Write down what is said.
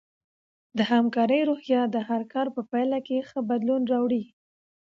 د همکارۍ روحیه د هر کار په پایله کې ښه بدلون راوړي.